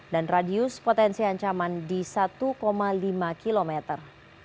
dan radius potensi ancaman di satu lima kilometer